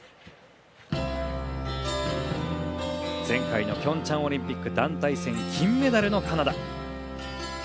前回ピョンチャンオリンピック団体戦、金メダルのカナダ。